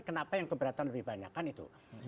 kenapa yang keberatan lebih banyak kan itu